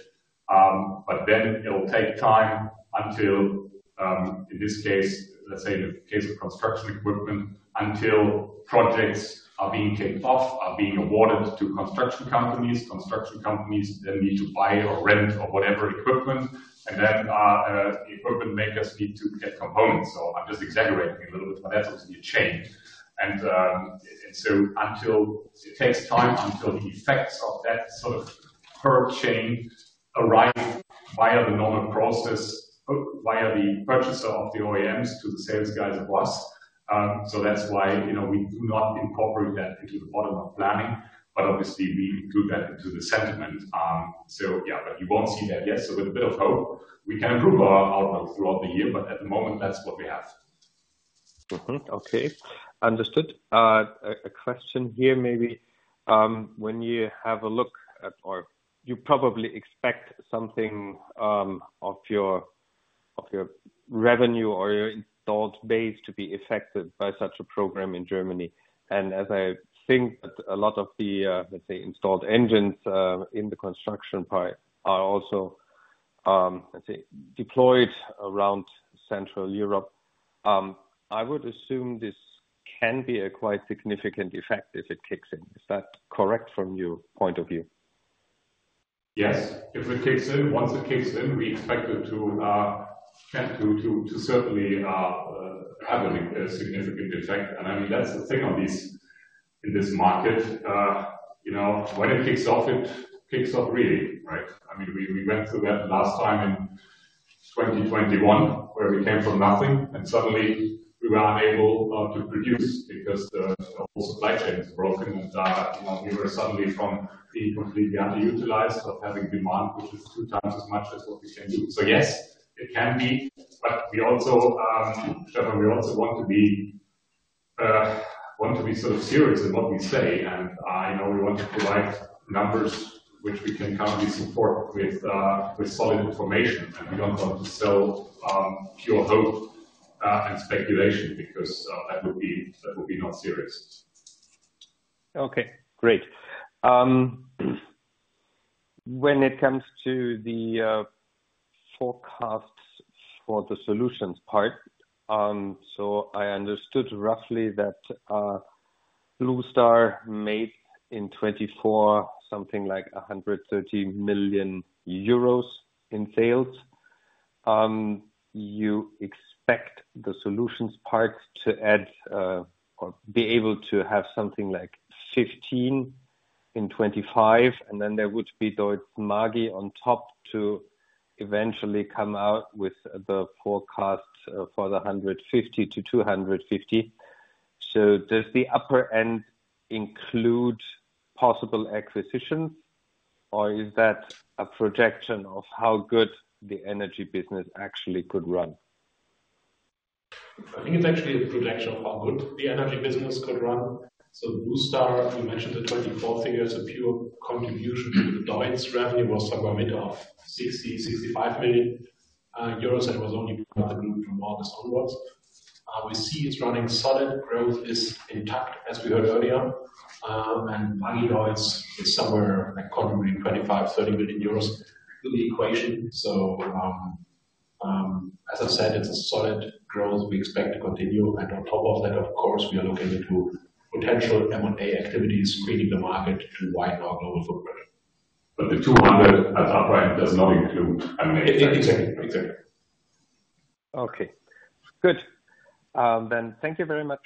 It'll take time until, in this case, let's say in the case of construction equipment, until projects are being kicked off, are being awarded to construction companies, construction companies then need to buy or rent or whatever equipment, and then equipment makers need to get components. I'm just exaggerating a little bit, but that's obviously a chain. It takes time until the effects of that sort of per chain arrive via the normal process, via the purchaser of the OEMs to the sales guys of us. That's why we do not incorporate that into the bottom-up planning. Obviously, we include that into the sentiment. You won't see that yet. With a bit of hope, we can improve our outlook throughout the year, but at the moment, that's what we have. Okay. Understood. A question here maybe. When you have a look at, or you probably expect something of your revenue or your installed base to be affected by such a program in Germany. As I think that a lot of the, let's say, installed engines in the construction part are also, let's say, deployed around Central Europe, I would assume this can be a quite significant effect if it kicks in. Is that correct from your point of view? Yes. If it kicks in, once it kicks in, we expect it to certainly have a significant effect. I mean, that's the thing in this market. When it kicks off, it kicks off really, right? I mean, we went through that last time in 2021, where we came from nothing, and suddenly we were unable to produce because the whole supply chain is broken. We were suddenly from being completely underutilized to having demand, which is two times as much as what we can do. Yes, it can be. We also, Stefan, want to be sort of serious in what we say. We want to provide numbers which we can currently support with solid information. We do not want to sell pure hope and speculation because that would be not serious. Okay. Great. When it comes to the forecasts for the solutions part, I understood roughly that Blue Star Power Systems made in 2024 something like 130 million euros in sales. You expect the solutions part to be able to have something like 15 million in 2025. Then there would be DEUTZ Magi on top to eventually come out with the forecast for the 150 million-250 million. Does the upper end include possible acquisitions, or is that a projection of how good the energy business actually could run? I think it's actually a projection of how good the energy business could run. Blue Star, you mentioned the 2024 figures of pure contribution to the DEUTZ revenue was somewhere mid of 60 million-65 million euros, and it was only part of the group from August onwards. We see it's running solid. Growth is intact, as we heard earlier. And Magideutz is somewhere like quadrant 25 million-30 million euros in the equation. As I've said, it's a solid growth we expect to continue. On top of that, of course, we are looking into potential M&A activities, screening the market to widen our global footprint. The 200 million at the upper end does not include M&A. Exactly. Exactly. Okay. Good. Thank you very much.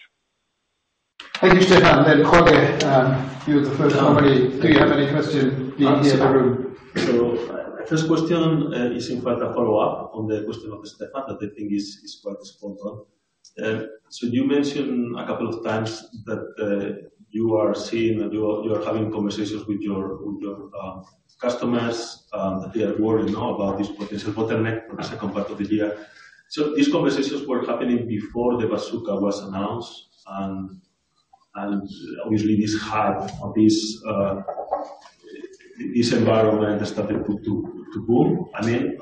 Thank you, Stefan. And Corgi, you're the first already. Do you have any question being here in the room? M`y first question is in fact a follow-up on the question of Stefan that I think is quite spot on. You mentioned a couple of times that you are seeing and you are having conversations with your customers that they are worried about this potential bottleneck for the second part of the year. These conversations were happening before the Bazooka was announced. Obviously, this hype of this environment started to boom. I mean,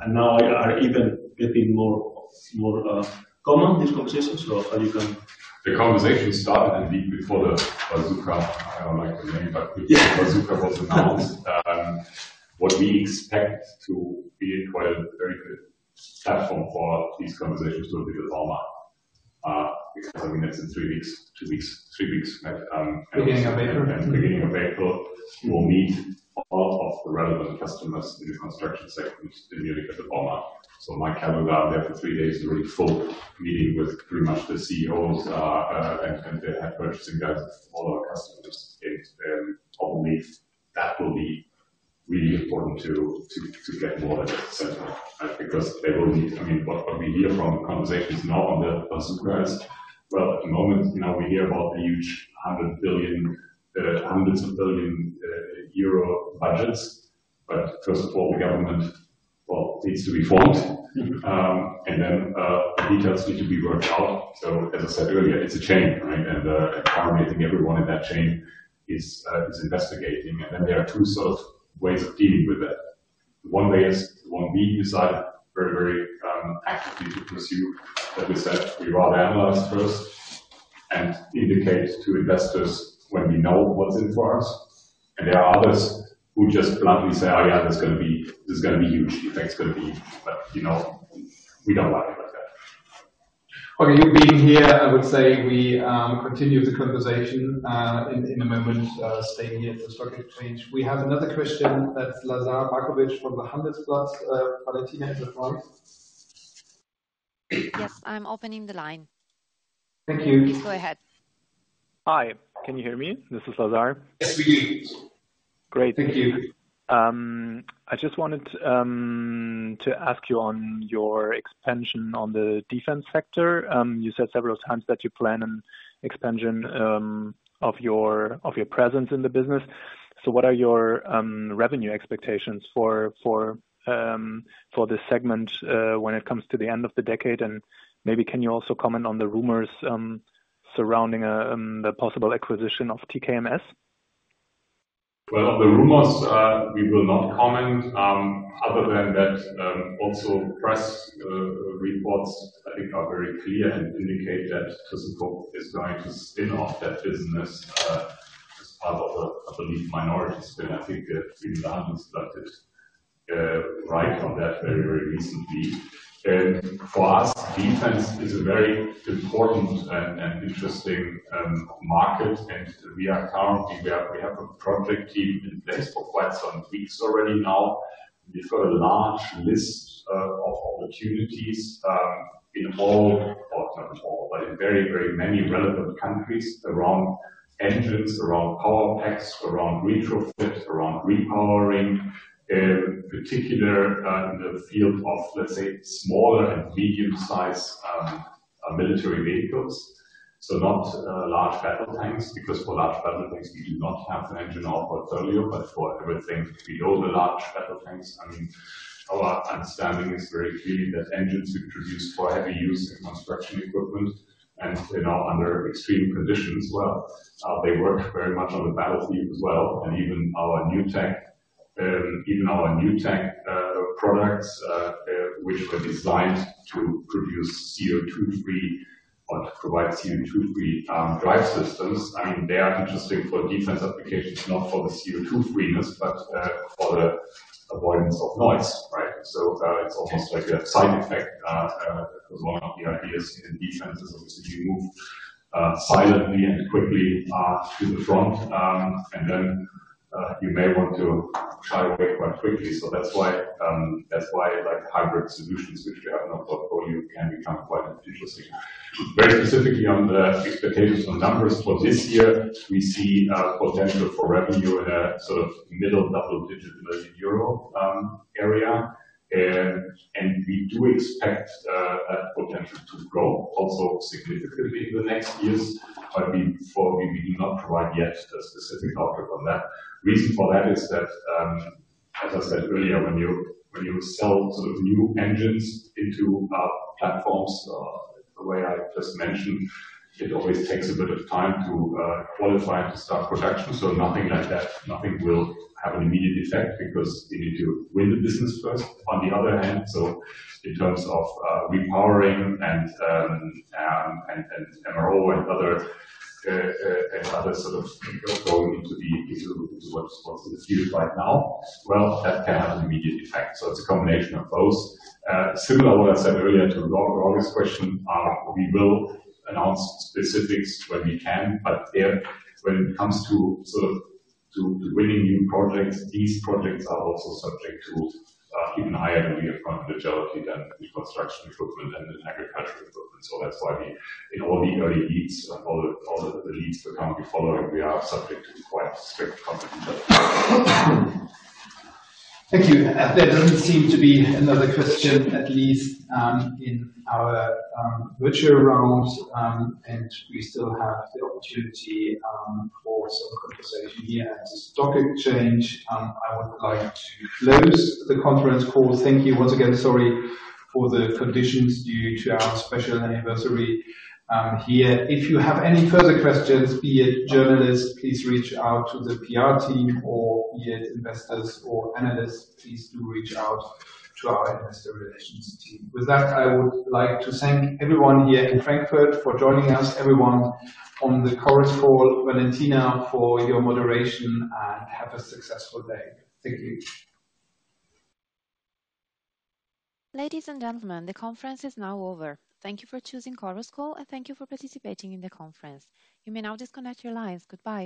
and now they are even getting more common, these conversations. How you can? The conversations started indeed before the Bazooka. I don't like the name, but before the Bazooka was announced, what we expect to be quite a very good platform for these conversations will be the Bauma because, I mean, that's in three weeks, two weeks, three weeks. Beginning of April. Beginning of April, we will meet all of the relevant customers in the construction segment in Munich at the Bauma. My calendar there for three days is a really full meeting with pretty much the CEOs and the head purchasing guys of all our customers. Obviously, that will be really important to get more of that sentiment because they will need, I mean, what we hear from conversations now on the Bazooka is, at the moment, we hear about the huge hundreds of billion EUR budgets. First of all, the government needs to be formed. Details need to be worked out. As I said earlier, it's a chain, right? Currently, I think everyone in that chain is investigating. There are two sort of ways of dealing with that. One way is the one we decided very, very actively to pursue, that we said we'd rather analyze first and indicate to investors when we know what's in for us. There are others who just bluntly say, "Oh yeah, there's going to be this is going to be huge. The effect's going to be." We don't worry about that. You being here, I would say we continue the conversation in a moment, staying here at the stock exchange. We have another question. That's Lazar Backovic from the Handelsblatt. Valentina, is that right? Yes. I'm opening the line. Thank you. Please go ahead. Hi. Can you hear me? This is Lazar. Yes, we do. Great. Thank you. I just wanted to ask you on your expansion on the defense sector. You said several times that you plan an expansion of your presence in the business. What are your revenue expectations for this segment when it comes to the end of the decade? Maybe can you also comment on the rumors surrounding the possible acquisition of TKMS? The rumors, we will not comment. Other than that, also press reports, I think, are very clear and indicate that the support is going to spin off that business as part of a believed minority spin. I think the Handelsblatt did write on that very, very recently. For us, defense is a very important and interesting market. We are currently, we have a project team in place for quite some weeks already now. We've got a large list of opportunities in all, not all, but in very, very many relevant countries around engines, around power packs, around retrofits, around repowering, particularly in the field of, let's say, smaller and medium-sized military vehicles. Not large battle tanks because for large battle tanks, we do not have an engine or a turbo. For everything below the large battle tanks, I mean, our understanding is very clear that engines we produce for heavy use and construction equipment and under extreme conditions, they work very much on the battlefield as well. Even our new tech, even our new tech products, which were designed to produce CO2-free or to provide CO2-free drive systems, I mean, they are interesting for defense applications, not for the CO2-freeness, but for the avoidance of noise, right? It's almost like a side effect. That was one of the ideas in defense, is obviously to move silently and quickly to the front. You may want to shy away quite quickly. That is why Hybrid Solutions, which we have in our portfolio, can become quite interesting. Very specifically on the expectations on numbers for this year, we see potential for revenue in a sort of middle double-digit million EUR area. We do expect that potential to grow also significantly in the next years. We do not provide yet a specific outlook on that. The reason for that is that, as I said earlier, when you sell sort of new engines into platforms the way I just mentioned, it always takes a bit of time to qualify and to start production. Nothing like that, nothing will have an immediate effect because we need to win the business first on the other hand. In terms of repowering and MRO and other sort of going into what's in the field right now, that can have an immediate effect. It is a combination of both. Similar to what I said earlier to Augustin's question, we will announce specifics when we can. When it comes to sort of winning new projects, these projects are also subject to even higher degree of confidentiality than the construction equipment and the agricultural equipment. That is why in all the early leads, all the leads we are currently following, we are subject to quite strict confidentiality. Thank you. There does not seem to be another question, at least in our virtual round. We still have the opportunity for some conversation here at the stock exchange. I would like to close the conference call. Thank you once again. Sorry for the conditions due to our special anniversary here. If you have any further questions, be it journalists, please reach out to the PR team, or be it investors or analysts, please do reach out to our investor relations team. With that, I would like to thank everyone here in Frankfurt for joining us, everyone on the Chorus Call. Valentina, for your moderation, and have a successful day. Thank you. Ladies and gentlemen, the conference is now over. Thank you for choosing Chorus Call and thank you for participating in the conference. You may now disconnect your lines. Goodbye.